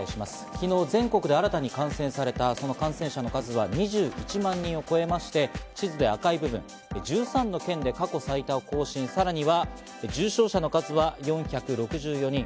昨日全国で新たに感染された方の数は２１万人を超えまして、地図で赤い部分、１３の県で過去最多を更新、さらには重症者の数は４６４人。